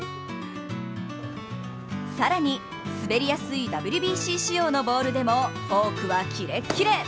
更に滑りやすいＷＢＣ仕様のボールでもフォークはキレッキレ。